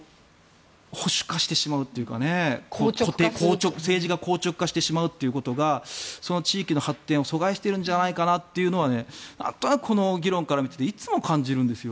保守化してしまうというか政治が硬直化してしまうことがその地域の発展を阻害しているんじゃないかなというのはなんとなくこの議論から見てていつも感じるんですよ。